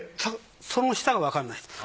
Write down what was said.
その下がわかんない。